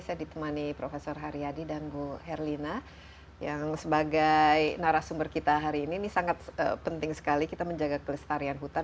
saya ditemani prof haryadi dan bu herlina yang sebagai narasumber kita hari ini ini sangat penting sekali kita menjaga kelestarian hutan